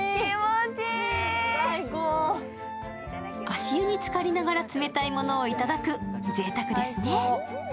足湯につかりながら冷たいものをいただく、ぜいたくですね。